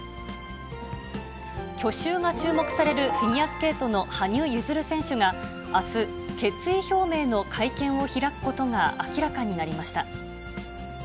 去就が注目されるフィギュアスケートの羽生結弦選手があす、決意表明の会見を開くことが明らかになりました。